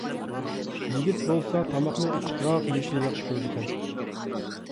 يىگىت بولسا تاماقنى ئاچچىقراق يېيىشنى ياخشى كۆرىدىكەن.